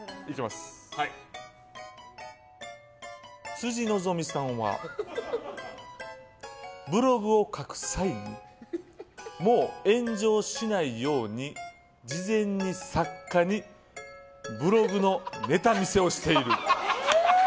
辻希美さんは、ブログを書く際にもう炎上しないように事前に作家にブログのネタ見せをしている。